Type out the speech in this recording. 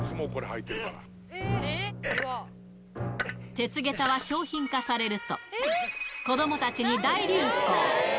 鉄げたは商品化されると、子どもたちに大流行。